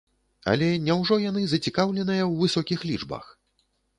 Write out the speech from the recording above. Але няўжо яны зацікаўленыя ў высокіх лічбах?